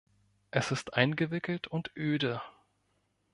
Es ist eingewickelt und öde.